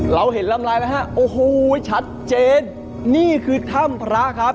เราเห็นลำลายไหมฮะโอ้โหชัดเจนนี่คือถ้ำพระครับ